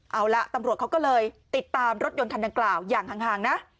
เอาละตำรวจเขาก็เลยติดตามรถยนต์คันดังกล่าวอย่างห่างนะ